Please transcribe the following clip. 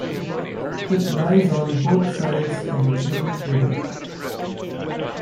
It lies on both sides of the Chubut River.